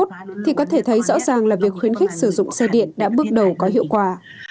thì có thể thấy rõ ràng là việc khuyến khích sử dụng xe điện đã bước đầu có hiệu quả